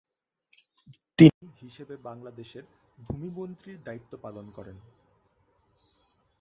তিনি হিসেবে বাংলাদেশের ভূমি মন্ত্রীর দায়িত্ব পালন করেন।